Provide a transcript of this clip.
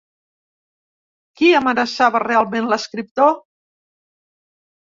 Qui amenaçava realment l’escriptor?